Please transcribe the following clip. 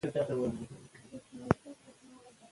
کړکۍ د هوا لپاره پرانیزئ.